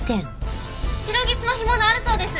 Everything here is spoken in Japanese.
シロギスの干物あるそうです！